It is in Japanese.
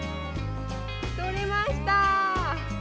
とれました！